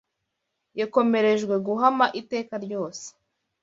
Yakomerejwe guhama iteka ryose